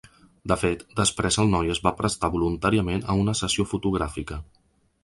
De fet, després el noi es va prestar voluntàriament a una sessió fotogràfica.